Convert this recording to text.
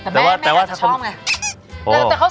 แต่แม่แม่ก็จะชอบไง